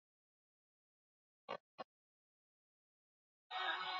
Wito wa kale.